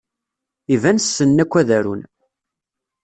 Iban ssnen akk ad arun.